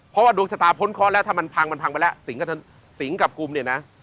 เพราะว่าดวงชะตาพ้นเคราะห์แล้วถ้ามันพังมันพังไปแล้วสิงห์กับกลุ่มเนี่ยนะ